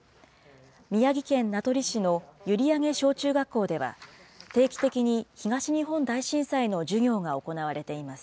宮城県名取市の閖上小中学校では、定期的に東日本大震災の授業が行われています。